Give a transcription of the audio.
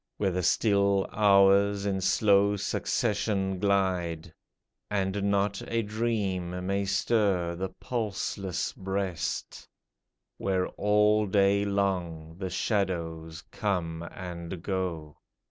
Where the still hours in slow succession glide. And not a dream may stir the pulseless breast — Where all day long the shadows come and go.